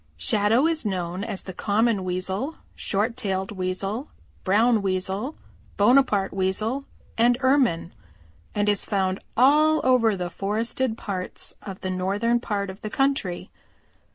"Shadow is known as the Common Weasel, Short tailed Weasel, Brown Weasel, Bonaparte Weasel and Ermine, and is found all over the forested parts of the northern part of the country.